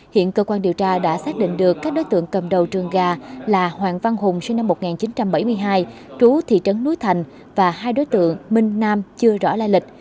hiện cơ quan điều tra đã xác định được các đối tượng cầm đầu trường gà là hoàng văn hùng sinh năm một nghìn chín trăm bảy mươi hai trú thị trấn núi thành và hai đối tượng minh nam chưa rõ lai lịch